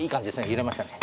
揺れましたね。